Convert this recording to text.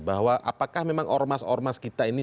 bahwa apakah memang ormas ormas kita ini